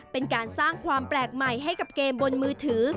เป็นการสร้างความแปลกใหม่ให้กับเกมบนมือถือ